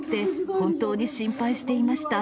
本当に心配していました。